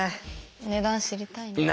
値段知りたいな。